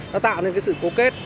nó tạo nên cái sự cố kết